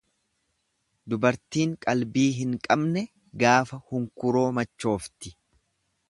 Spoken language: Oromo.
Dubartiin qalbii hin qabne gaafa hunkuroo machoofti.